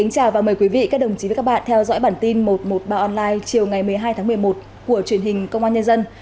chào mừng quý vị đến với bản tin một trăm một mươi ba online chiều ngày một mươi hai tháng một mươi một của truyền hình công an nhân dân